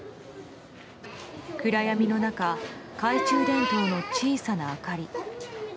暗闇の中懐中電灯の小さな明かり。